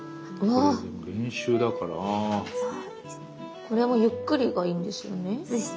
これもゆっくりがいいんですよね？